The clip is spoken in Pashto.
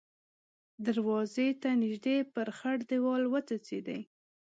دروازې ته نږدې پر خړ دېوال وڅڅېدې.